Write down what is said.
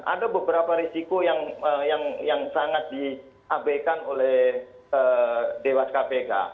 ada beberapa risiko yang yang yang sangat diabeikan oleh dewas kpk